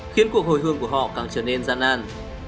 khiến cuộc hồi hương của họ càng trở nên gian nan